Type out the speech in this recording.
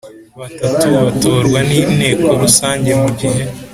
Batatu batorwa n inteko rusange mu gihe